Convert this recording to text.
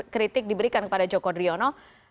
kritik diberikan kepada joko driono